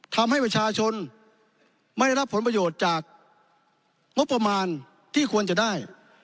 ทำให้ประชาชนไม่ได้รับผลประโยชน์จากงบประมาณที่ควรจะได้